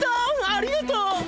ありがとう！